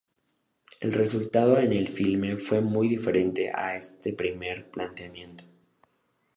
El resultado en el filme fue muy diferente a este primer planteamiento.